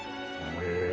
へえ。